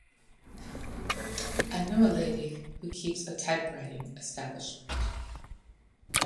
I know a lady who keeps a typewriting establishment.